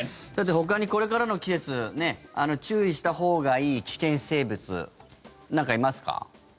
ほかにこれからの季節注意したほうがいい危険生物なんかいますか？